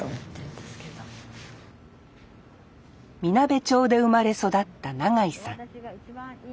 みなべ町で生まれ育った永井さん。